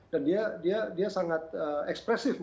dan dia sangat ekspresif